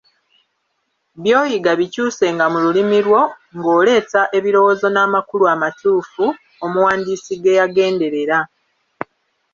By'oyiga bikyusenga mu lulimi lwo ng'oleeta ebirowoozo n'amakulu amatuufu, omuwandiisi ge yagenderera.